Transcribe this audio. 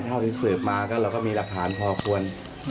เท่าที่สืบมาก็เราก็มีหลักฐานพอควร